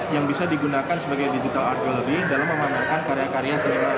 yang bisa digunakan sebagai digital art gallery dalam memanfaatkan karya karya seni